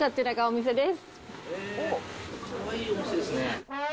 かわいいお店ですね。